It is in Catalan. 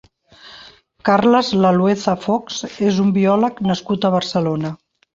Carles Lalueza Fox és un biòleg nascut a Barcelona.